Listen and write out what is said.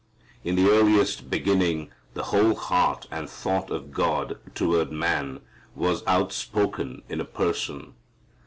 In the earliest beginning the whole heart and thought of God toward man was outspoken in a person.